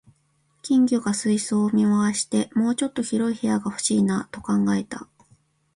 金魚が水槽を見回して、「もうちょっと広い部屋が欲しいな」と考えた